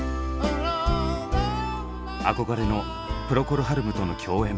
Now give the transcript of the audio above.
憧れのプロコル・ハルムとの共演。